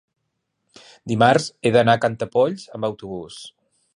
dimarts he d'anar a Cantallops amb autobús.